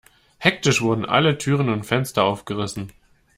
Hektisch wurden alle Türen und Fenster aufgerissen.